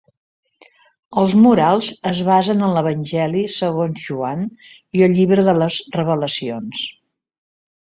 Els murals es basen en l'Evangeli segons Joan i el llibre de les Revelacions.